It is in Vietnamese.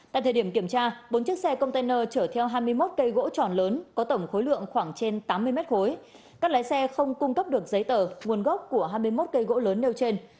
tại thời điểm kiểm tra bốn chiếc xe container chở theo hai mươi một cây gỗ tròn lớn có tổng khối lượng khoảng trên tám mươi mét khối các lái xe không cung cấp được giấy tờ nguồn gốc của hai mươi một cây gỗ lớn nêu trên